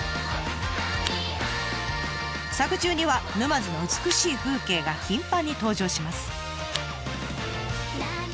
作中には沼津の美しい風景が頻繁に登場します。